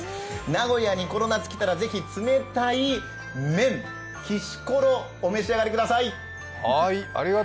名古屋にこの夏来たらぜひ、冷たい麺、きしころお召し上がりください。